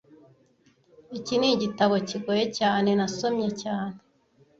Iki nigitabo kigoye cyane nasomye cyane